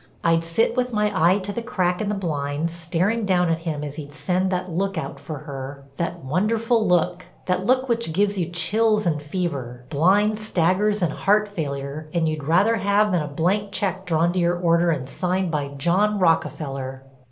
I'd sit with my eye to the crack in the blinds staring down at him as he'd send that look out for her—that wonderful look, that look which gives you chills and fever, blind staggers and heart failure and you'd rather have than a blank check drawn to your order and signed by John Rockefeller.